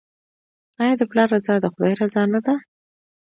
آیا د پلار رضا د خدای رضا نه ده؟